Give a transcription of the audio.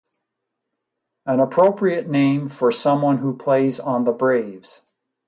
An appropriate name for someone who plays on the Braves.